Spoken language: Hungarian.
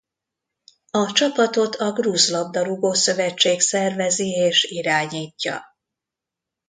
A csapatot a grúz labdarúgó-szövetség szervezi és irányítja.